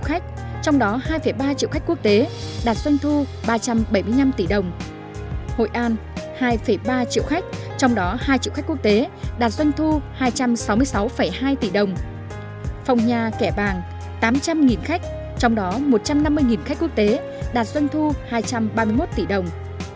tám trăm linh khách trong đó một trăm năm mươi khách quốc tế đạt doanh thu hai trăm ba mươi một tỷ đồng